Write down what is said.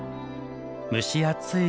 蒸し暑い